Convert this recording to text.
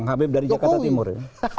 habib dari jakarta timur ya